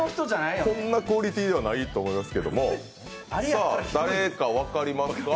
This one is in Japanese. こんなクオリティーではないと思いますけども、誰か分かりますか？